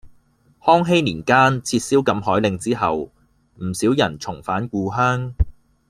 康熙年間撤銷禁海令之後，唔少人重返故鄉